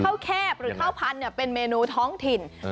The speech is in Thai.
ข้าวแคบหรือข้าวพันธุ์เนี่ยเป็นเมนูท้องถิ่นเออ